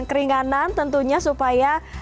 keringanan tentunya supaya